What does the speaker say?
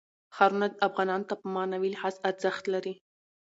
ښارونه افغانانو ته په معنوي لحاظ ارزښت لري.